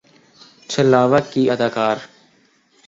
چھلاوہ کی اداکار